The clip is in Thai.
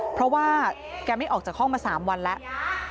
เพราะว่าแกไม่ออกจากห้องมา๓วันแล้ว